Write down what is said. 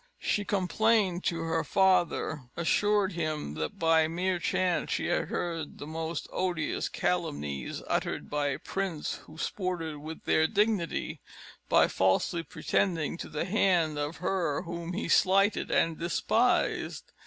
She complained to her father; assured him, that by mere chance she had heard the most odious calumnies uttered by a prince who sported with their dignity, by falsely pretending to the hand of her whom he slighted and despised.